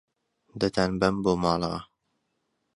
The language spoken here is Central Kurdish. دەتانبەم بۆ ماڵەوە.